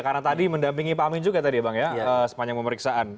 karena tadi mendampingi pak amin juga tadi ya bang ya sepanjang pemeriksaan